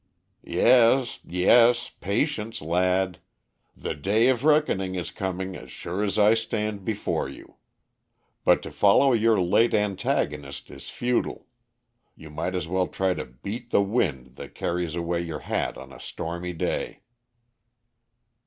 "Yes, yes. Patience, lad! The day of reckoning is coming as sure as I stand before you. But to follow your late antagonist is futile. You might as well try to beat the wind that carries away your hat on a stormy day."